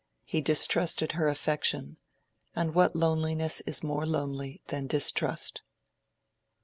He distrusted her affection; and what loneliness is more lonely than distrust?